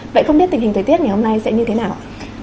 vậy không biết tình hình thời tiết ngày hôm nay sẽ như thế nào ạ